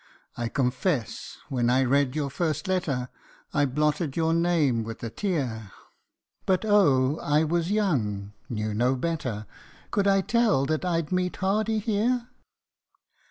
I confess, when I read your first letter, I blotted your name with a tear But, oh ! I was young knew no better, Could I tell that I'd meet Hardy here